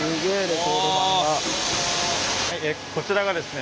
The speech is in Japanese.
こちらがですね